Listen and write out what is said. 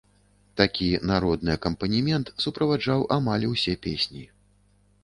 Такі народны акампанемент суправаджаў амаль усе песні.